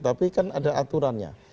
tapi kan ada aturannya